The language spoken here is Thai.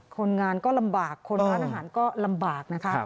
คนงานก็ลำบากคนร้านอาหารก็ลำบากนะคะ